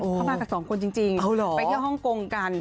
เข้ามากับสองคนจริงไปเที่ยวฮ่องกงกัน